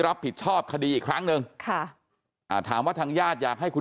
รับผิดชอบคดีอีกครั้งหนึ่งค่ะอ่าถามว่าทางญาติอยากให้คุณ